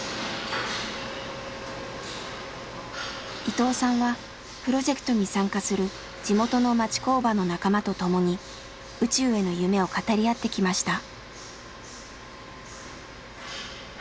伊藤さんはプロジェクトに参加する地元の町工場の仲間と共に宇宙への夢を語り合ってきました。